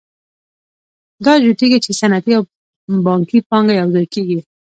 دا جوتېږي چې صنعتي او بانکي پانګه یوځای کېږي